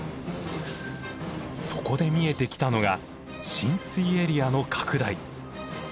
そこで見えてきたのが浸水エリアの拡大。